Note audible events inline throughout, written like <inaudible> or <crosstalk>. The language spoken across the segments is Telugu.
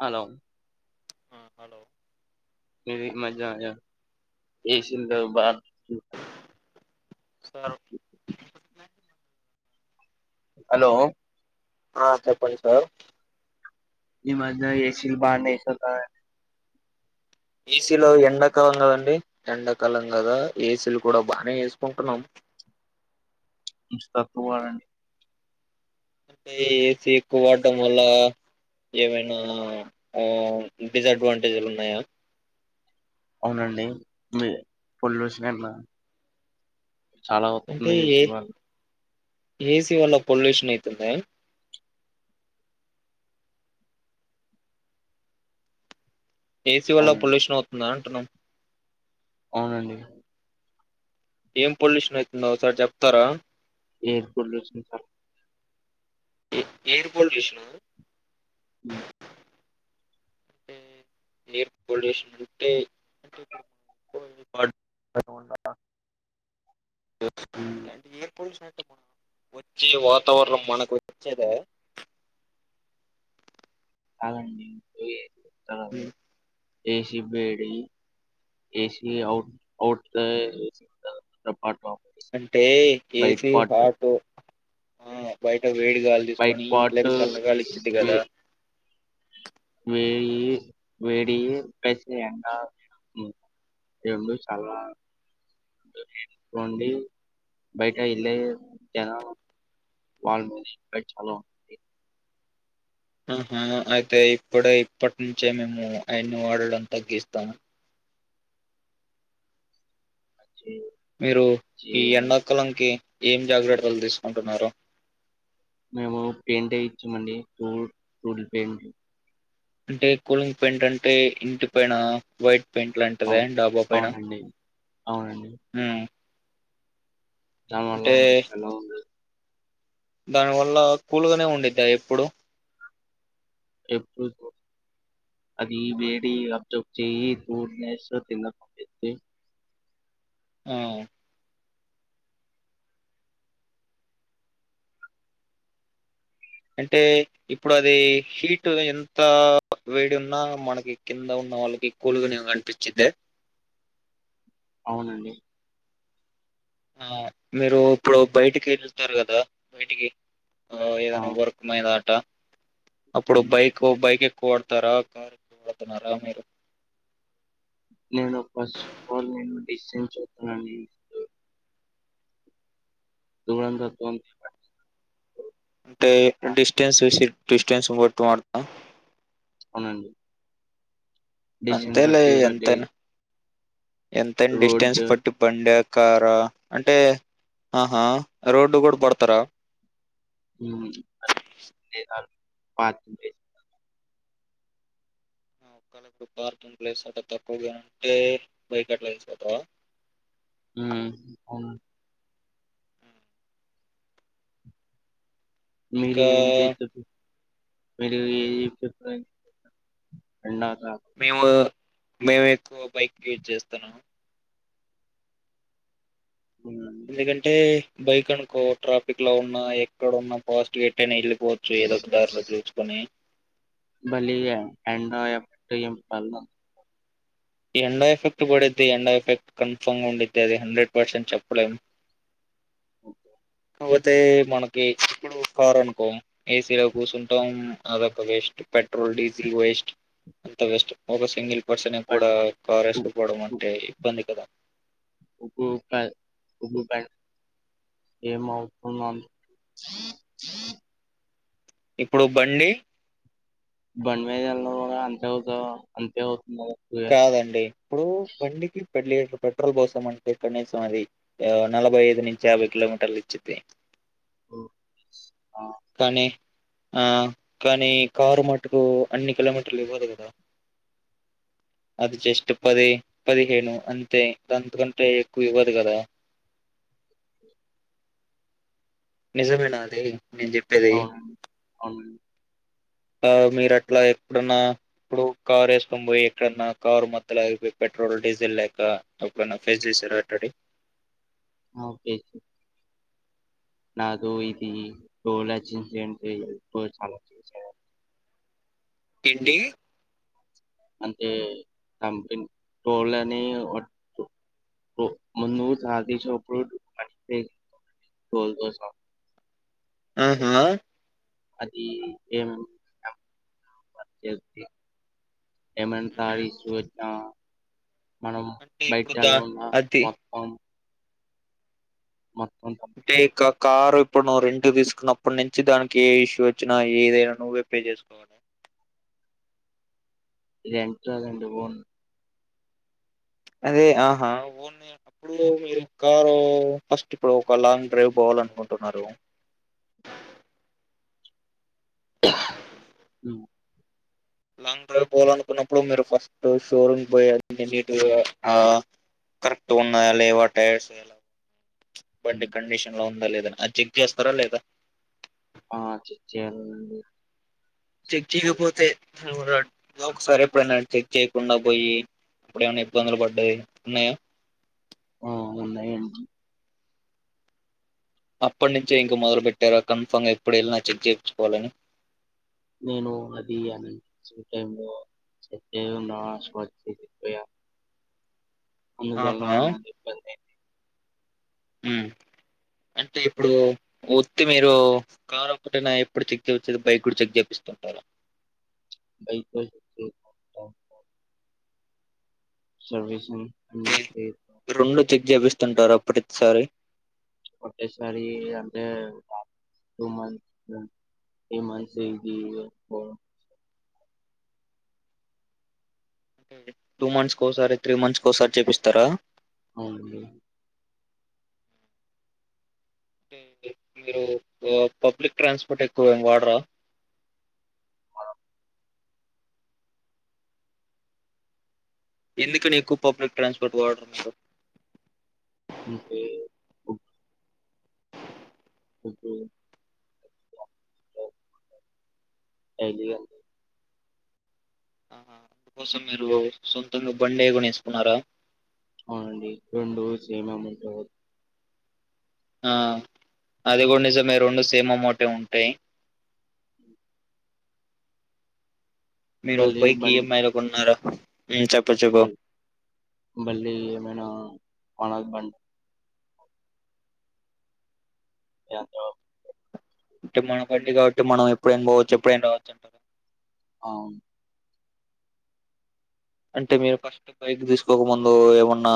హలో ఆ హలో నువ్విమై జాజా ఏసింద్రా బాన్ సారు హలో ఆ చెప్పండి సార్ ఈ మధ్య ఏసి బానే ఇస్తుందాయే ఏసీలో ఎండాకాలం కదండి ఎండాకాలం కదా ఏసీలు కూడా బానే ఏస్కుంటున్నాం కొంచం తక్కు వాడండి ఏ ఏసీ ఎక్కు వాడ్డం వల్ల ఏవైనా ఆ డిసడ్వాంటేజ్లు ఉన్నయా అవునండి మీ పొల్యూషన్ ఎన్న చాలా అంటే వస్తుంది ఏ ఏసీ వళ్ళ ఏసీ వల్ల పొల్యూషన్ అయితుందా ఏసీ వల్ల అవునండి పొల్యూషన్ అవుతుందా అంటునం అవునండి ఏం పొల్యూషన్ అయితుందో ఒకసార్ చెప్తారా ఎయిర్ పొల్యూషన్ <inaudible> ఎయిర్ పొల్యూషనా మ్ ఎయిర్ పొల్యూషన్ అంటే వాడకుండా ఉండాలా ఎయిర్ పొల్యూషన్ అం వచ్చి వాతావరణం మనకొచ్చేదే ఆ ఏ నా ఏసి వేడి ఏసీ అవుట్ అవుట్ కంపర్ట్ అంటే ఏసీ ఆటో ఆ బయట వేడిగాలి బయట తీసుకొని పార్ట్ ఇంట్లోకి చల్లనగాలి ఇచ్చిది కదా వేయి వేడియి ఏసీ అంట ఏన్డ్లు చాలా కోండి బయట ఇళ జనా వాలా మైన చాలా ఉన్నటుంది ఆహా అయితే ఇప్పుడే ఇప్పటి నుంచే మేము అయన్ని వాడడం తగ్గిస్తాము చే- మీరు ఈ చే- ఎండాకలంకి ఏం జాగ్రత్తలు తీసుకుంటున్నారు మేము పెయింటే ఇచ్చామండి కూల్ కూల్ పెయింట్ అంటే కూలింగ్ పెయింట్ అంటే ఇంటి పైన వై పెయింట్ లాంటిదే అవును డాబా పైన అవునండి అవునండి హ్మ్ యమ్మెల్ ఎలా ఉంది దాని వల్ల కూలుగానే ఉండిద్దా ఎప్పుడు ఎప్పుడు కూల్ అది ఈ వేడి అబ్జ చేయి తూ న తిన ఆ అంటే ఇప్పుడు అది హీట్ ఎంత వేడి ఉన్నా మనకి కింద ఉ నళకిక్ కోలుగా నే కనిపించిద్ద అవునండి ఆ మీరు ఇప్పుడు బయటికి వెళ్తారు కదా బయటికి ఆ ఏదైనా వర్క్ మీదా ఆట అప్పుడు ఉమ్. బైక్ బైక్ ఎక్కువ పడతారా కార్ ఎక్కువ పడుతున్నారా మీరు నేను ఫస్ట్ ఆఫ్ ఆల్ నేను డిసిజన్ చూతానని ఇస్తూ దుంతో తంత అంటే డిస్టెన్స్ వసి డిస్టెన్స్ బట్టు వాడతాం అవునండి డిస్టెన్స్ అంతేలే బట్టి బట్టి ఎంతనా ఎంత డిస్టెన్స్ రోడ్ పట్టి బండ కారా అంటే ఆహా రోడ్డు కూడా పడతారా మ్మ్ <unintelligible> ఒళప్పుడు పార్కింగ్ ప్లేస్ అట తక్కువగా అంటే బైక్ అట్లా వేస్తాదా ఉమ్ మీరు ఇంకా ఏం మీరు ఏ ఎండక మేము మేము ఎక్కువ బైక్ యూజ్ చేస్తున్నాము హ్మ్. ఎందుకంటే బైక్ అనుకో ట్రాఫిక్ లో ఉన్నా ఎక్కడ ఉన్నా పాజివ్ ఎట్నా ఇల్లు వచ్చు ఏదో ఒక దారిలో చూసుకొని భలి ఎ ప ఎండో ఎఫెక్ట్ పడిది ఎండో ఎఫెక్ట్ కన్ఫర్మ్ ఉండిది అది హండ్రెడ్ పర్సెంట్ చెప్పలే ఓకే కాకపోతే మనకి ఇప్పుడు కార్ అనుకో ఏసీలో కూర్చుంటాం అదొక వేస్ట్ పెట్రోల్ డీజిల్ వేస్ట్ అంత వేస్ట్ ఒక్క సింగిల్ పర్సన్ కూడా కారేసుకపోవడం అంటే ఇబ్బంది కదా ఉప్పు ఉప్పు ప ఏమవుతున్నా ఇప్పుడు బండి బంమద ఎ అంతేవుతు అంతే కదా! కాదండి ఇప్పుడు బండికి పెడ్ లీటర్ పెట్రోల్ పోసాం అంటే కనీసం అది నలభై ఐదు నుంచి యాభై కిలోమీటర్లు ఇచ్చిది. ఆ కానీ ఆ కానీ కారు మట్టుకు అన్ని కిలోమీటర్లు ఇవ్వదు గదా అది జస్ట్ పది పదిహేను అంతే అంతకంటే ఎక్కువ ఇవ్వదు గదా నిజమేనాది అవునండి అవునండి ఆ మీరు అట్లా ఎప్పుడన్నా ఇప్పుడు కార్ వేసుకొని పోయి ఎక్కడన్నా కారు మధ్యలో అగిపోయి పెట్రోల్ డీజిల్ లేక ఎప్పుడైనా ఫేస్ చేశారా అట్టడి. ఓకే నాతో ఇది టోల్జెన్సిడెట్ చాలా చేసారు ఏంటి అంటే కంపెనీ తోలని మున్ను షాది షాప్ లో మ్ బోల్దోస ఆహా అదీ ఏం టం చె ఎమంటా ఉమ్. సాధించి వచ్చా మనం అంటే బైట్ ఇప్పుడు డల్ దా గున్న అది మొత్తం మొత్తం టెకప్ కారు ఇప్పుడు నువ్వు రెంటు కు తీసుకున్నప్పటి నుంచి దానికీ ఏ ఇష్యూ వచ్చినా ఏదైనా నువ్వే పే చేసుకోవాలి. లెంట లెంటు బూన్ అదే ఆహా ఓన్ అప్పుడు మీరు కారూ ఫస్ట్ ఇప్పుడు ఒక లాంగ్ డ్రైవ్ బోవా కూడ అనుకుంటున్నారు. ఉమ్ లాంగ్ డ్రైవ్ పోవాలనుకున్నప్పుడు మీరు ఫస్టూ షోరూమ్ పోయచ్చి <unintelligible> ఆ కరెక్ట్ ఉన్నాయా లేవా టైర్సు అలా బండి కండిషన్ లో ఉందా లేదా అది చెక్ చేస్తారా లేదా? ఆ చెక్ చేయాలండీ. చెక్ చేయకపోతే ఎవరడ్ ఒకసారి ఎప్పుడైనా చెక్ చెయకుండా బోయి ఇప్పుడు ఏమన్న ఇబ్బందులు పడ్డయీ ఉన్నయా. ఆ ఉన్నాయి అన్ అప్పటినుంచే ఇంకా మొదలు పెట్టారా కన్ఫామ్ గా ఎప్పుడు ఎళ్ళినా చెక్ చేపిచ్చుకోవాలని నేను అదీ అన్ చ్ టైం లో సతే నా స్కజ్ చేయా అందువల్ల ఆహా నాక్ ఇబ్బంది అయ్యింది ఉమ్ అంటే ఇప్పుడూ ఒత్తి మీరు కారు ఒక్కటేనా ఎప్పుడు చెక్ చేపిచ్చేది. బైక్ కూడా చెక్ చేపిస్ బైక్ పైక్ వచ్చే పో సర్వీసింగ్ అన్ని చై చేయ- రెండు చెక్ చేపిస్తుంటార అప్పటి చ్చారీ ఒకటేసరి అంటే టూ మంత్స్ మ్ త్రీ మంత్స్ ఈమ్ ఈ ఇయ్యకపోవడం టూ మంత్స్ కోసారి త్రీ మంత్స్ కోసారి చేపిస్తారా? అవును బ్రో ఉ మీరూ పబ్లిక్ ట్రాన్స్పోర్ట్ ఎక్కువ గా వాడరా? ఎందుకనీ ఎక్కువగా పబ్లిక్ ట్రాన్స్పోర్ట్ వాడరు మీరు అంతే వొద్దు ఏ జిల్లా ఆహా అందుకోసం మీరు సొంతంగా బండే కొనేసుకున్నారా అవునండి రెండు సేమామోటే ఆ అది గూడా నిజమే రెండు సేమామోటే ఉంటయ్ ఉ మీరు బైక్ ఎమ్మాయ్ లో కొన్నారా ఉమ్ చెప్పు చెప్పు మల్ మల్లీ ఏమైనా మన బన్ ఎంతోప్ అంటే మన బండి కాబట్టి మనం ఎప్పుడైనా పోవచ్చు ఎప్పుడైనా రావచ్చు అంటారా? అవును అంటే మీరు ఫస్ట్ బైక్ తీసుకోక ముందూ ఏమన్నా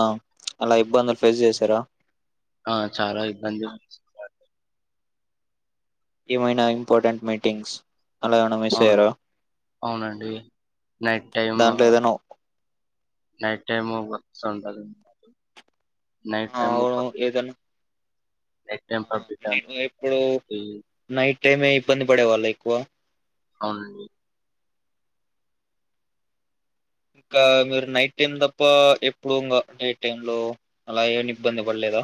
అలా ఇబ్బందులు ఫేస్ చేసారా ఆ చాలా ఇబ్బందీ ఏమైనా ఇంపార్టెంట్ మీటింగ్స్ అలా ఏమైనా మిస్ అవును అయ్యారా అవునండి నైట్ టైమ్ దాంట్లో ఏదైనా నైట్ టైమ్ వ ఉ నైట్ ఆ, టై అవును ఏదన్నా నై ఇప్పుడు కాబట్టి నైట్ అేమే ఇబ్బంది పడే వాళ్ళ ఎక్కువ అవునండి ఇంకా మీరు నైట్ టైం తప్ప ఎప్పుడు ఇంకా డే టైమ్ లో అలా ఏమి ఇబ్బంది పడలేదా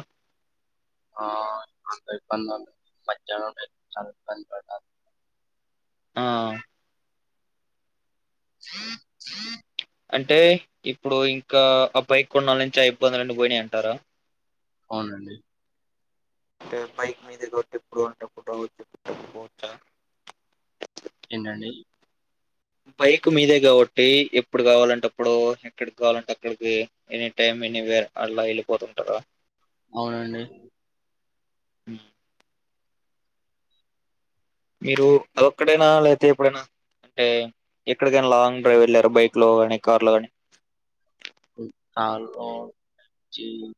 ఆ మ చ <unintelligible> ఆ స స అంటే ఇప్పుడు ఇంకా బైకు కొండున్నల నుంచి బ్బదులు అన్ని పోయినాయి అంటారా అవునండి అంటే బైక్ మీదటి ఎప్పుడు ఉంటప్పుడు వచ్చిచ్చా ఏంటండీ బైక్ మీదే కాబట్టి ఎప్పుడు కావాలంటేప్పుడు ఎక్కడికి కావాలంటే అక్కడికి ఎనీ టైమ్ ఎనివేర్ అళ్ళ వెళ్ళిపోతుంటారా అవునండి హ్మ్మ్ మీరు అద ఒక్కడైనా లేకపోతే ఎప్పుడైనా అంటే ఎక్కడికైనా లాంగ్ డ్రైవ్ వెళ్ళారు బైక్ లో ని కార్ లో గాని ఉ తాల జీ <unintelligible>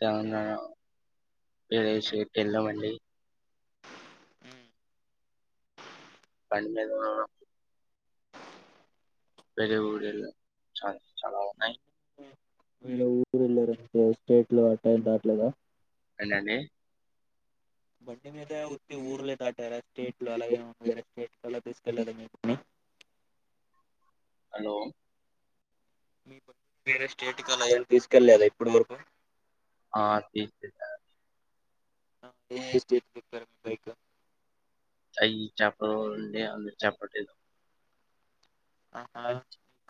తెలంగాణ పరసికి వెళ్ళామండి బండిమీద వేరే ఊరు వెళ్ళాం చాలా చాలా ఉన్నాయి వేరే ఊరు వెళ్ళార అే స్టేట్ లో అట్ట దావట్లేదా ఏంటండీ బండి మీద వట్టి ఊర్లే దాటారా స్టేట్ లో అలాగే స్టేట్ కలా తీసుకెళ్ళదాని హలో వేరే స్టేట్ కలాని తీసుకెళ్లే కదా ఇప్పుడు మరకు ఆ తీ ఆ ఏస్ అతుప్పార మీ బైకా అయి చపడుడి అ చపలేదు ఆహా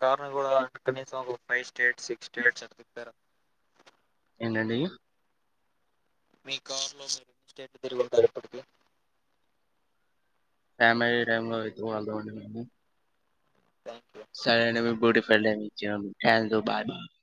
కార్న్ గూడా కనీసం ఫైవ్ స్టేట్స్ సిక్స్ స్టేట్స్ అంటు తిప్పారా ఎండేండి మీ కారులో మీరు స్టేట్ దిరుగుంటారు ఇప్పటికి ఫ్యామిలీ టైమ్ లో విత్ వాళ్ళ దోండింది. థ్యాంక్ యూ పెళ్ళై ఇచ్చినమ్ క్యాలదు బాయ్ బా